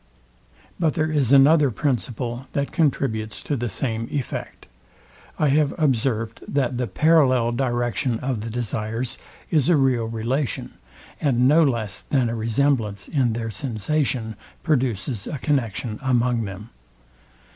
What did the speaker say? But there is another principle that contributes to the same effect. I have observed that the parallel direction of the desires is a real relation, and no less than a resemblance in their sensation, produces a connexion among them.